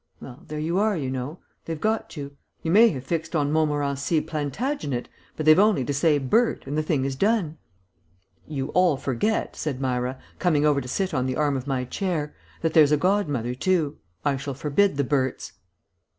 Well, there you are, you know. They've got you. You may have fixed on Montmorency Plantagenet, but they've only to say 'Bert,' and the thing is done." "You all forget," said Myra, coming over to sit on the arm of my chair, "that there's a godmother too. I shall forbid the Berts."